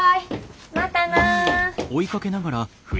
またな。